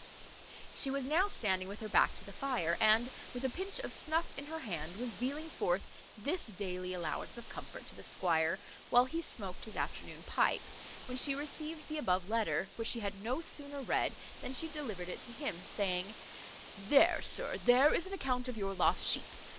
She was now standing with her back to the fire, and, with a pinch of snuff in her hand, was dealing forth this daily allowance of comfort to the squire, while he smoaked his afternoon pipe, when she received the above letter; which she had no sooner read than she delivered it to him, saying, "There, sir, there is an account of your lost sheep.